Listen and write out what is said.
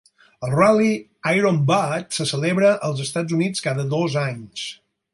El Rally Iron Butt se celebra als Estats Units cada dos anys.